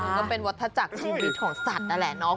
มันเป็นวัฒนศักดิ์ชีวิตของสัตว์น่ะแหละเนอะ